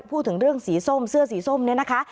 พูดถึงเรื่องสีส้มเสื้อสีส้มเนี่ยนะคะ